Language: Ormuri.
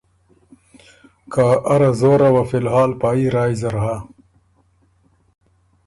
که اره زوره وه فی الحال پا يي رایٛ زر هۀ۔